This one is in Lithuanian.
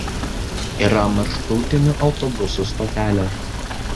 Yra maršrutinių autobusų stotelė.